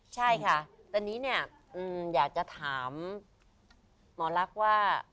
ใช่ค่ะตอนนี้เนี่ยอยากจะถามหมอลักษณ์ว่า